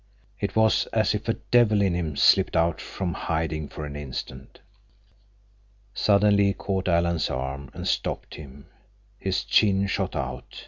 It was as if a devil in him slipped out from hiding for an instant." Suddenly he caught Alan's arm and stopped him. His chin shot out.